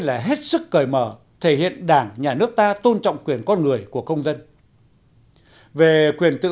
là hết sức cởi mở thể hiện đảng nhà nước ta tôn trọng quyền con người của công dân về quyền tự